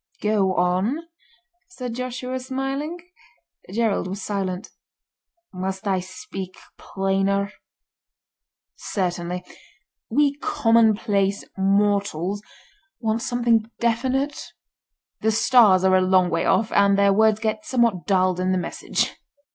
"Go on!" said Joshua, smiling. Gerald was silent. "Must I speak plainer?" "Certainly; we commonplace mortals want something definite. The Stars are a long way off, and their words get somewhat dulled in the message."